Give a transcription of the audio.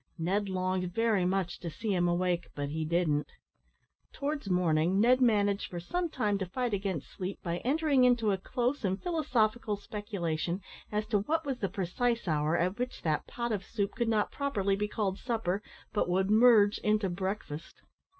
Ned longed very much to see him awake, but he didn't. Towards morning, Ned managed for some time to fight against sleep, by entering into a close and philosophical speculation, as to what was the precise hour at which that pot of soup could not properly be called supper, but would merge into breakfast.